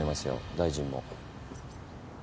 大臣も。